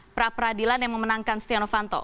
pra peradilan yang memenangkan stiano fanto